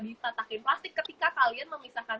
dipatakin plastik ketika kalian memisahkan